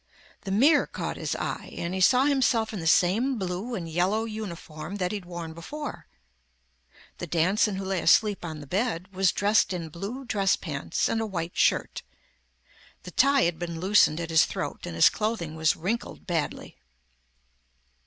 The mirror caught his eye and he saw himself in the same blue and yellow uniform that he'd worn before. The Danson who lay asleep on the bed was dressed in blue dress pants and a white shirt. The tie had been loosened at his throat and his clothing was wrinkled badly.